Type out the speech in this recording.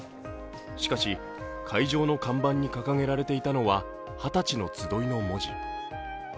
しかし、会場の看板に掲げられていたのは「二十歳のつどい」の文字。